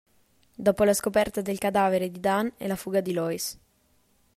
Dopo la scoperta del cadavere di Dan e la fuga di Lois.